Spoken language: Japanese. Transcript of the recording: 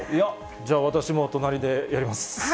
じゃあ、私も隣でやります。